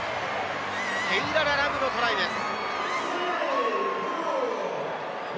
セイララ・ラムのトライです。